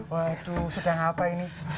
waduh sedang apa ini